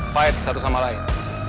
fight satu sama lain